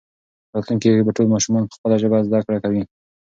په راتلونکي کې به ټول ماشومان په خپله ژبه زده کړه کوي.